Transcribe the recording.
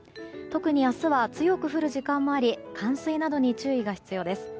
特に明日は強く降る時間もあり冠水などに注意が必要です。